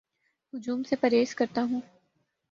ہجوم سے پرہیز کرتا ہوں